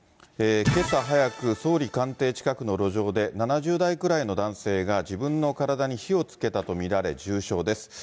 けさ早く、総理官邸近くの路上で、７０代くらいの男性が自分の体に火をつけたと見られ、重傷です。